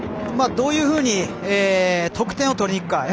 どういうふうに得点を取りにいくか。